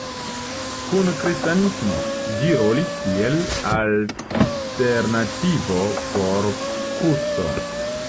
En Kristanismo, ĝi rolis kiel alternativo por kruco.